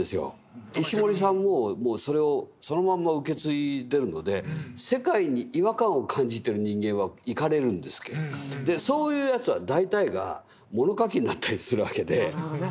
石森さんもそれをそのまんま受け継いでるので世界に違和感を感じてる人間はイカれるんですけどそういうヤツは大体が物書きになったりするわけで。